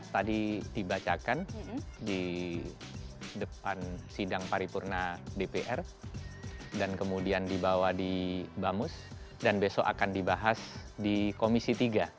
tadi dibacakan di depan sidang paripurna dpr dan kemudian dibawa di bamus dan besok akan dibahas di komisi tiga